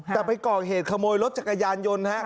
แต่ไปก่อเหตุขโมยรถจักรยานยนต์ฮะ